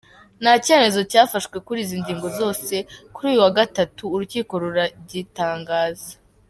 Nta cyemezo cyafashwe kuri izi ngingo zose, kuri uyu wa gatatu urukiko ruragitangaza.